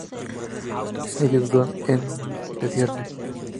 ellos dudan en decirlo